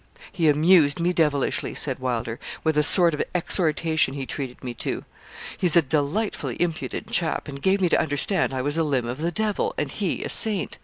'He amused me devilishly,' said Wylder, 'with a sort of exhortation he treated me to; he's a delightfully impudent chap, and gave me to understand I was a limb of the Devil, and he a saint.